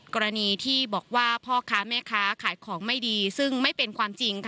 กรณีที่บอกว่าพ่อค้าแม่ค้าขายของไม่ดีซึ่งไม่เป็นความจริง